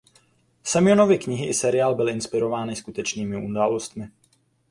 Semjonovovy knihy i seriál byly inspirovány skutečnými událostmi.